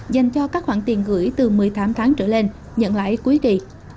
dành cho các khoản tiền gửi từ một mươi tám tháng trở lên nhận lãi cuối kỳ